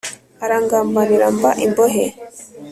arangambanira mba imbohe